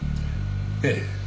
ええ。